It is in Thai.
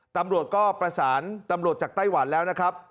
ตำรวจก็ประสานตำรวจจากไต้หวันแล้วนะครับ